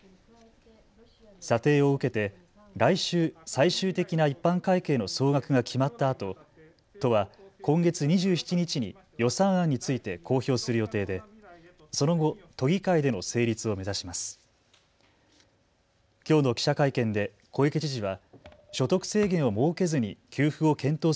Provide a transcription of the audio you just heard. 査定を受けて来週、最終的な一般会計の総額が決まったあと都は今月２７日に予算案について公表する予定でその後、都議会での成立を目指します。